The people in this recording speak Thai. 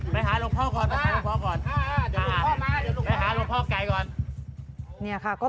ไปหาหลวงพ่อก่อน